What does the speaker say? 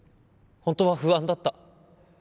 本当は不安だった。